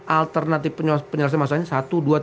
alternatif penyelesaian masalahnya satu dua tiga